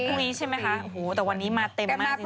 พรุ่งนี้ใช่ไหมคะโอ้โหแต่วันนี้มาเต็มมากจริง